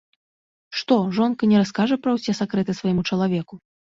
Што, жонка не раскажа пра ўсе сакрэты свайму чалавеку?